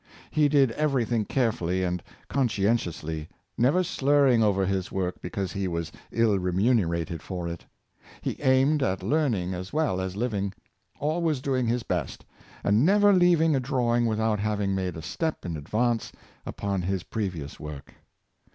He did everything carefully and conscientiously, never slurring over his work because he was ill remunerated for it. He aimed at learning as well as living; always doing his best, and never leaving a drawing without having made a step in advance upon his previous work.